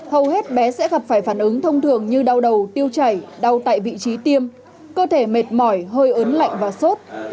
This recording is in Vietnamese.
hầu hết bé sẽ gặp phải phản ứng thông thường như đau đầu tiêu chảy đau tại vị trí tiêm cơ thể mệt mỏi hơi ớn lạnh và sốt